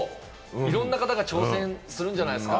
いろんな方が挑戦するんじゃないですか？